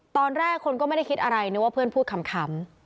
ตอนแรกคนก็ไม่ได้คิดอะไรนึกว่าเพื่อนพูดคำ